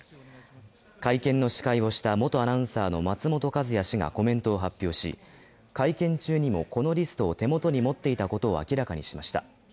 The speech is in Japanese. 会見の司会をした元アナウンサーの松本和也氏がコメントを発表し会見中にもこのリストを手元に持っていたことを明らかにしました。